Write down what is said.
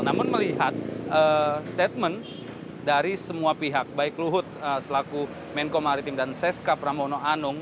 namun melihat statement dari semua pihak baik luhut selaku menko maritim dan seska pramono anung